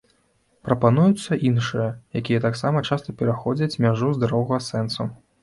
Прапануюцца іншыя, якія таксама часта пераходзяць мяжу здаровага сэнсу.